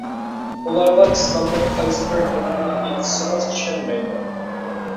ئۇلارغا ئىسلامنىڭ قايسىبىر ھۆكمىنى ئېيتسىڭىز چۈشەنمەيدۇ.